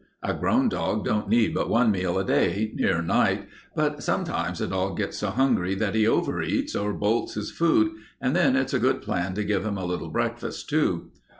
A grown dog don't need but one meal a day, near night, but sometimes a dog gets so hungry that he overeats or bolts his food, and then it's a good plan to give him a little breakfast, too.